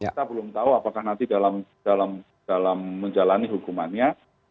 kita belum tahu apakah nanti dalam menjalani hukumannya